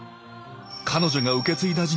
彼女が受け継いだ事業